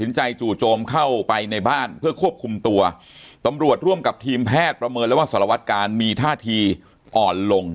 จู่โจมเข้าไปในบ้านเพื่อควบคุมตัวตำรวจร่วมกับทีมแพทย์ประเมินแล้วว่าสารวัตการมีท่าทีอ่อนลง